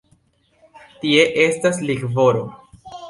Tie estas likvoro.